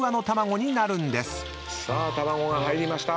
さあ卵が入りました。